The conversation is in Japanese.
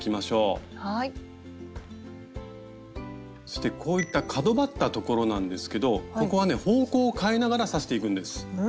そしてこういった角ばったところなんですけどここはね方向を変えながら刺していくんです。